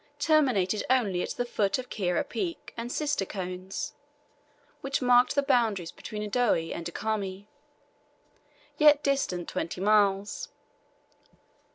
terminated only at the foot of Kira Peak and sister cones, which mark the boundaries between Udoe and Ukami, yet distant twenty miles.